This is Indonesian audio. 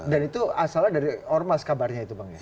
dan itu asalnya dari ormas kabarnya itu bang ya